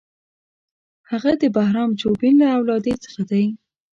هغه د بهرام چوبین له اولادې څخه دی.